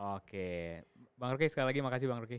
oke bang roky sekali lagi makasih bang roky